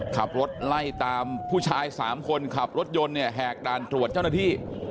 ขับรถไล่ตามผู้ชาย๓คนขับรถยนต์เนี่ยแหกด่านตรวจเจ้าหน้าที่